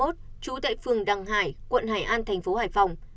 trú tại phường đăng hải quận hải an thành phố hải phòng